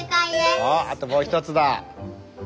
おあともう１つだ。